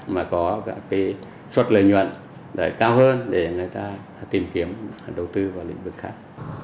mà có các suất lợi nhuận cao hơn để người ta tìm kiếm đầu tư vào lĩnh vực khác